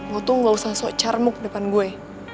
lo tuh gak usah sok cermuk depan gue